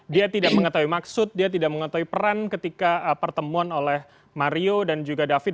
dia tidak mengetahui maksud dia tidak mengetahui peran ketika pertemuan oleh mario dan juga david